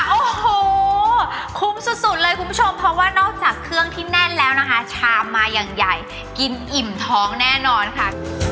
โอ้โหคุ้มสุดเลยคุณผู้ชมเพราะว่านอกจากเครื่องที่แน่นแล้วนะคะชามมาอย่างใหญ่กินอิ่มท้องแน่นอนค่ะ